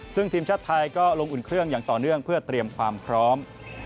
ซึ่งทีมชาติไทยก็ลงอุ่นเครื่องอย่างต่อเนื่องเพื่อเตรียมความพร้อม